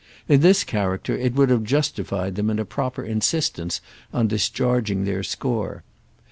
In this character it would have justified them in a proper insistence on discharging their score.